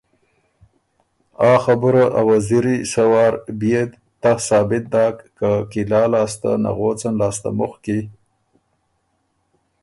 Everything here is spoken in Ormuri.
آ خبُره ا وزیری سۀ وار بئے تَۀ ثابت داک که قلعه لاستل نغوڅن لاسته مُخکی